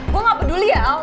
gue gak peduli ya